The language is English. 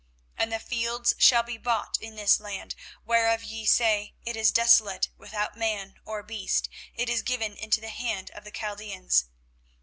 24:032:043 And fields shall be bought in this land, whereof ye say, It is desolate without man or beast; it is given into the hand of the Chaldeans.